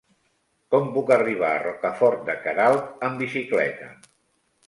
Com puc arribar a Rocafort de Queralt amb bicicleta?